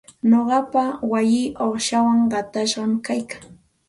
Nuqapa wayii uqshawan qatashqam kaykan.